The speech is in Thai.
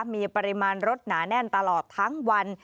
มีปริมาณรถหนาแน่นตลอดทั้งวัน